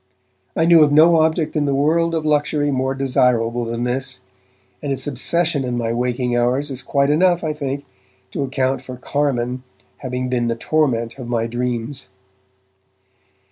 I knew of no object in the world of luxury more desirable than this, and its obsession in my waking hours is quite enough, I think, to account for 'carmine' having been the torment of my dreams.